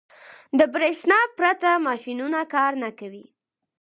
• د برېښنا پرته ماشينونه کار نه کوي.